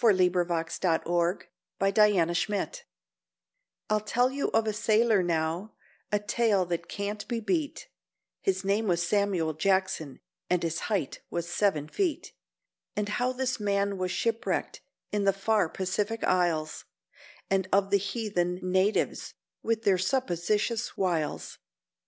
THE STORY OF SAMUEL JACKSON I'll tell you of a sailor now, a tale that can't be beat, His name was Samuel Jackson, and his height was seven feet; And how this man was shipwrecked in the far Pacific Isles, And of the heathen natives with their suppositious wiles.